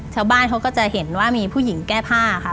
ชาวบ้านเขาก็จะเห็นว่ามีผู้หญิงแก้ผ้าค่ะ